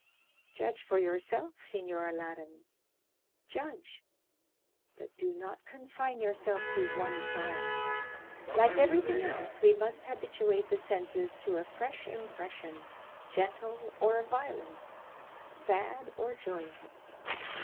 "Judge for yourself, Signor Aladdin—judge, but do not confine yourself to one trial. Like everything else, we must habituate the senses to a fresh impression, gentle or violent, sad or joyous.